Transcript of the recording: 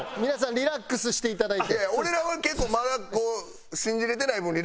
リラックスしていただいて。